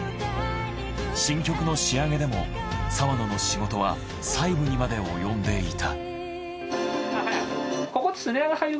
新曲の仕上げでも澤野の仕事は細部にまで及んでいた。